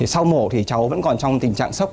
sau mổ cháu vẫn còn trong tình trạng sốc